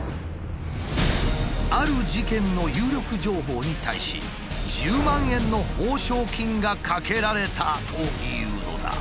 ある事件の有力情報に対し１０万円の報奨金がかけられたというのだ。